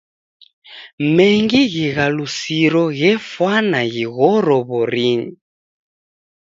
Mengi ghighalusiro ghefwana ghighoro w'orinyi.